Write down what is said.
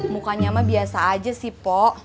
mukanya mah biasa aja sih po